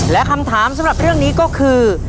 และคำถามสำหรับเรื่องนี้ก็คือ